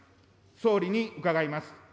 総理に伺います。